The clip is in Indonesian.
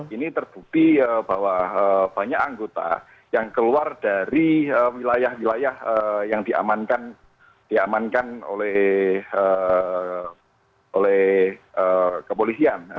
ini terbukti bahwa banyak anggota yang keluar dari wilayah wilayah yang diamankan oleh kepolisian